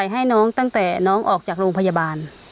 ให้น้องตั้งแต่น้องออกจากโรงพยาบาล